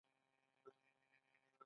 د شوتلې او رشقه وچول څنګه دي؟